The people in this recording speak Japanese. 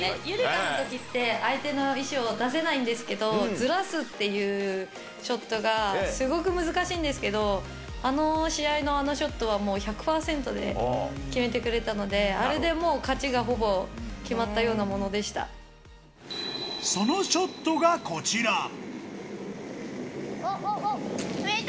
夕梨花のときって相手の石を出せないんですけど、ずらすっていうショットがすごく難しいんですけど、あの試合のあのショットは、もう１００％で決めてくれたので、あれでもう勝ちがほぼ決まったよそのショットがこちら。